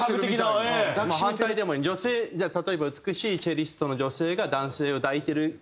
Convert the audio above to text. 例えば美しいチェリストの女性が男性を抱いてる。